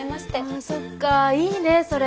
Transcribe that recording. ああそっかぁいいねそれ。